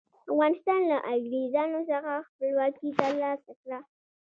افغانستان له انګریزانو څخه خپلواکي تر لاسه کړه.